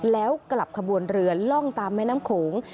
แล้วกลับขบวนเรือล่องตามแม่น้ำโขง